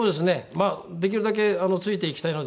まあできるだけついていきたいので。